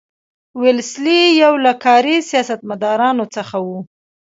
ویلسلي یو له کاري سیاستمدارانو څخه وو.